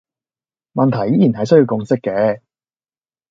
問題依然係需要共識嘅